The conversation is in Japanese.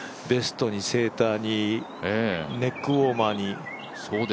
ベストにセーターにネックウオーマーに。